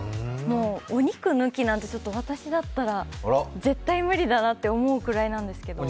お肉抜きなんて、私だったら絶対無理だなって思うぐらいなんですけど。